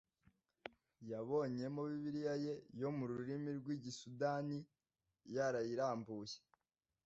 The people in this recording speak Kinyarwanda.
yabonyemo Bibiliya ye yo mu rurimi rw igisundani Yarayirambuye